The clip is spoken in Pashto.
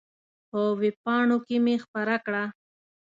په وېب پاڼو کې مې خپره کړه.